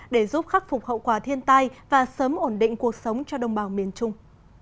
để giúp khắc phục hậu quả thiên tai và sớm ổn định cuộc sống cho đồng bào miền trung